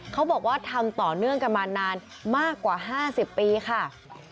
เขาบอกว่าทำต่อเนื่องกันมานานมากกว่า๕๐ปีค่ะ